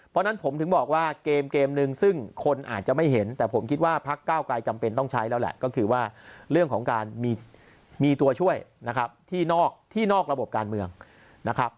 เพราะฉะนั้นผมถึงบอกว่าเกมเกมนึงซึ่งคนอาจจะไม่เห็นแต่ผมคิดว่าพักเก้าไกลจำเป็นต้องใช้แล้วแหละก็คือว่าเรื่องของการมีตัวช่วยนะครับที่นอกระบบการเมืองนะครับ